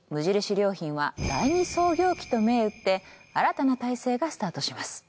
良品は第２創業期と銘打って新たな体制がスタートします。